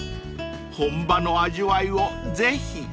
［本場の味わいをぜひ］